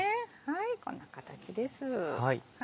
こんな形です。